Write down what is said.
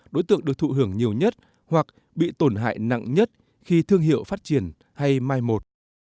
đối tượng được thụ hưởng nhiều nhất hoặc bị tổn hại nặng nhất khi thương hiệu phát triển hay mai một